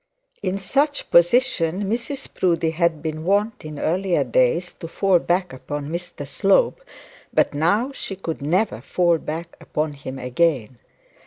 In such position Mrs Proudie had been wont in earlier days to fall back upon Mr Slope; but now she could never fall back upon him again.